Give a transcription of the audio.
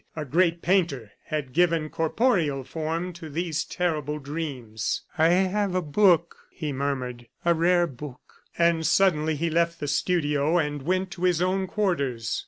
A great painter had given corporeal form to these terrible dreams. "I have a book," he murmured, "a rare book." ... And suddenly he left the studio and went to his own quarters.